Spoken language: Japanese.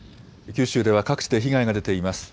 九州では各地で被害が出ています。